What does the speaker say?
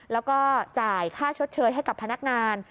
แล้วก็จ่ายค่าชดเชยให้กับพนักงาน